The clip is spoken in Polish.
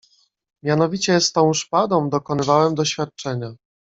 "Mianowicie z tą szpadą dokonywałem doświadczenia."